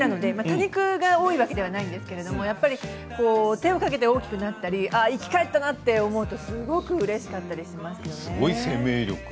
多肉が多いわけではないんですけれど気をかけて大きくなったり生き返ったなって思うとすごくうれしくなりますね。